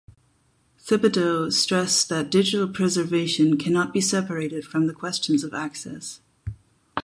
Thibodeau stressed that digital preservation cannot be separated from the questions of access.